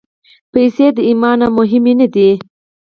پېسې د ایمان نه مهمې نه دي.